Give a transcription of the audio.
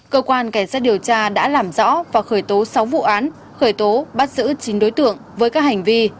cơ quan cảnh sát điều tra đã làm rõ và khởi tố sáu vụ án khởi tố bắt giữ chín đối tượng với các hành vi